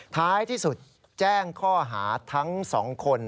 ท้ายที่สุดแจ้งข้อหาทั้ง๒คน